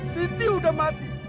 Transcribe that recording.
siti sudah mati